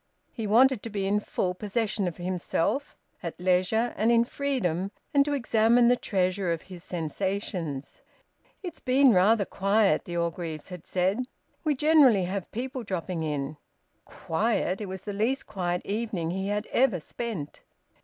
He wanted to be in full possession of himself, at leisure and in freedom, and to examine the treasure of his sensations. "It's been rather quiet," the Orgreaves had said. "We generally have people dropping in." Quiet! It was the least quiet evening he had ever spent.